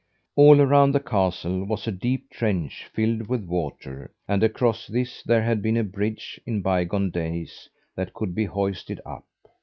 All around the castle was a deep trench filled with water; and across this there had been a bridge in bygone days that could be hoisted up.